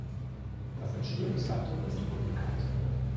Das Entstehungsdatum ist unbekannt.